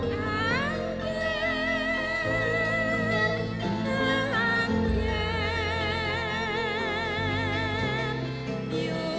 rasanya jadi angin